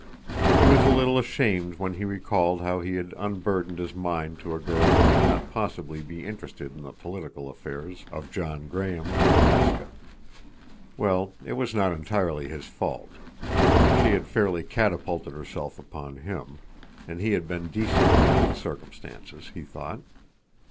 He was a little ashamed when he recalled how he had unburdened his mind to a girl who could not possibly be interested in the political affairs of John Graham and Alaska. Well, it was not entirely his fault. She had fairly catapulted herself upon him, and he had been decent under the circumstances, he thought.